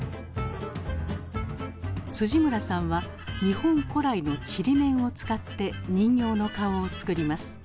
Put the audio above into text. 村さんは日本古来のちりめんを使って人形の顔を作ります。